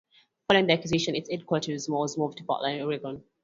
Following the acquisition, its headquarters were moved to Portland, Oregon.